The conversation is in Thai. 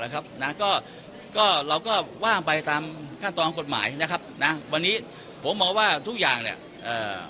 ครับนะก็ก็เราก็ว่างไปตามขั้นตอนกฎหมายนะครับนะวันนี้ผมมองว่าทุกอย่างเนี่ยเอ่อ